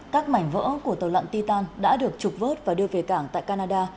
các mảnh vỡ của tàu lặn titan đã được trục vớt và đưa về cảng tại canada